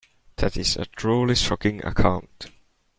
That is a truly shocking account.